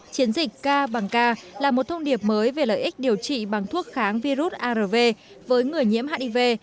chiến dịch k bằng k là một thông điệp mới về lợi ích điều trị bằng thuốc kháng virus arv với người nhiễm hiv